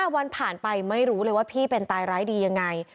วันผ่านไปไม่รู้เลยว่าพี่เป็นตายร้ายดียังไง